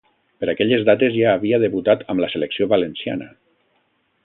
Per aquelles dates ja havia debutat amb la selecció valenciana.